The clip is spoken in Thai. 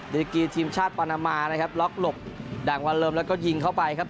ดีกีทีมชาติปานามานะครับล็อกหลบดังวันเริ่มแล้วก็ยิงเข้าไปครับ